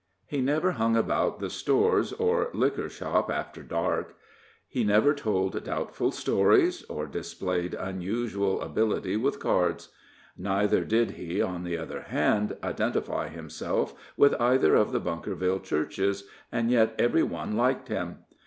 He never hung about the stores or liquor shop after dark; he never told doubtful stories, or displayed unusual ability with cards; neither did he, on the other hand, identify himself with either of the Bunkerville churches, and yet every one liked him.